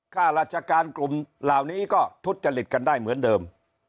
ข้าราชการกลุ่มเหล่านี้ก็ทุจริตกันได้เหมือนเดิม